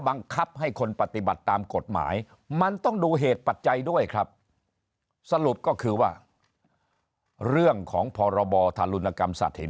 บังคับให้คนปฏิบัติตามกฎหมายมันต้องดูเหตุปัจจัยด้วยครับสรุปก็คือว่าเรื่องของพรบธารุณกรรมสัตว์